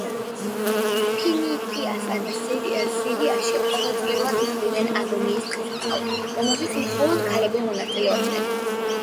ფინიკიასა და სირიაში ყოველწლიურად იხდიდნენ ადონისის დღესასწაულს, რომელშიც მხოლოდ ქალები მონაწილეობდნენ.